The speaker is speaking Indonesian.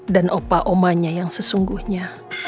dan opa omanya yang sesungguhnya